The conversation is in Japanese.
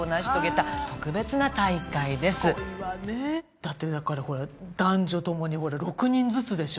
だってだからほら男女ともに６人ずつでしょ？